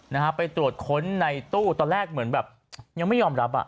นะฮะไปตรวจค้นในตู้ตอนแรกเหมือนแบบยังไม่ยอมรับอ่ะ